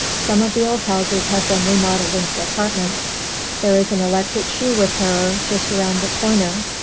Some of the old houses have been remodeled into apartments. There is an "electric shoe repairer" just round the corner.